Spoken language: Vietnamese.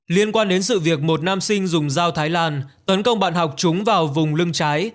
liên quan đến sự việc một nam sinh dùng dao thái lan tấn công bạn học chúng vào vùng lưng trái